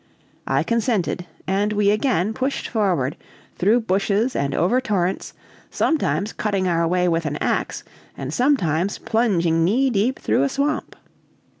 I consented, and we again pushed forward, through bushes, and over torrents, sometimes cutting our way with an ax, and sometimes plunging knee deep through a swamp.